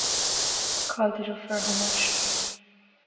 Cá bhfuil do dheirfiúr, a Thomáis